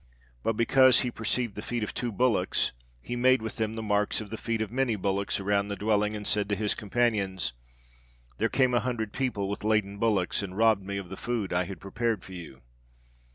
But because he perceived the feet of two bullocks, he made with them the marks of the feet of many bullocks around the dwelling, and said to his companions, 'There came a hundred people with laden bullocks, and robbed me of the food I had prepared for you.'